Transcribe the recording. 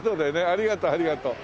ありがとうありがとう。